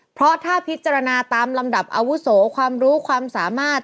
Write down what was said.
เพราะถ้าพิจารณาตามลำดับอาวุโสความรู้ความสามารถ